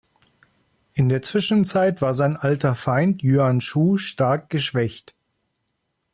In der Zwischenzeit war sein alter Feind Yuan Shu stark geschwächt.